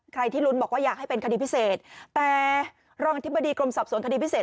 ที่ลุ้นบอกว่าอยากให้เป็นคดีพิเศษแต่รองอธิบดีกรมสอบสวนคดีพิเศษ